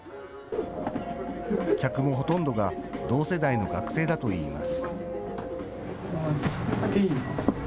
客もほとんどが同世代の学生だといいます。